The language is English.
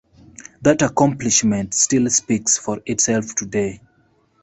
That accomplishment still speaks for itself today.